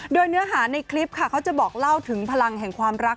โดยเนื้อหาในคลิปค่ะเขาจะบอกเล่าถึงพลังแห่งความรัก